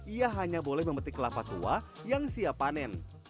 ia hanya boleh memetik kelapa tua yang siap panen